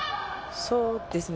そうですね。